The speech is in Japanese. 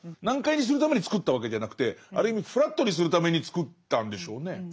難解にするために作ったわけじゃなくてある意味フラットにするために作ったんでしょうね。